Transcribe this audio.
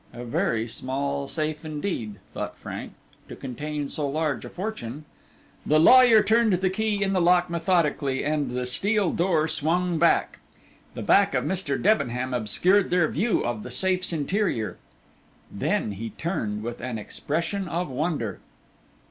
A very small safe indeed, thought Frank, to contain so large a fortune. The lawyer turned the key in the lock methodically, and the steel door swung back. The back of Mr. Debenham obscured their view of the safe's interior. Then he turned with an expression of wonder.